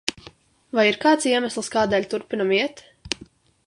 Vai ir kāds iemesls, kādēļ turpinam iet?